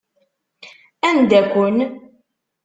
Anda-ken?